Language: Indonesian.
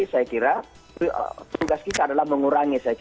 saya kira tugas kita adalah mengurangi